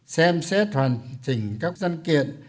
xem xét hoàn tỉnh các văn kiện